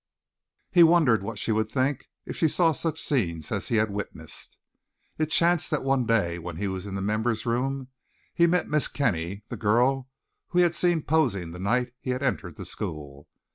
He wondered what she would think if she saw such scenes as he had witnessed. It chanced that one day when he was in the members' room, he met Miss Kenny, the girl whom he had seen posing the night he had entered the school.